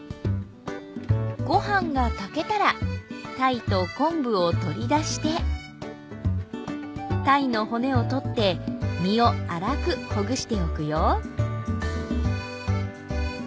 ご飯が炊けたらたいと昆布を取り出してたいの骨をとって身をあらくほぐしておくよ。